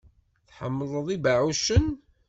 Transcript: Tḥemmleḍ ibeɛɛucen?